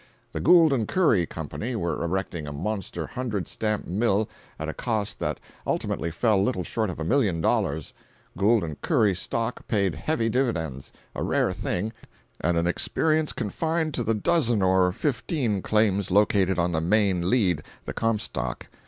The "Gould & Curry" company were erecting a monster hundred stamp mill at a cost that ultimately fell little short of a million dollars. Gould & Curry stock paid heavy dividends—a rare thing, and an experience confined to the dozen or fifteen claims located on the "main lead," the "Comstock."